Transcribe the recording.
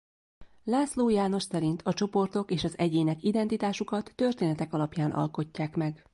László János szerint a csoportok és az egyének identitásukat történetek alapján alkotják meg.